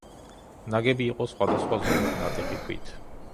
ნაგები იყო სხვადასხვა ზომის ნატეხი ქვით.